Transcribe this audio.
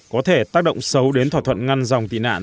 có thể tác động xấu đến thỏa thuận ngăn dòng tị nạn